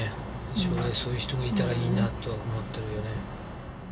将来そういう人がいたらいいなとは思ってるよね。